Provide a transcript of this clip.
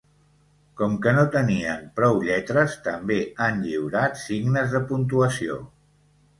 Com que no tenien prou lletres també han lliurat signes de puntuació.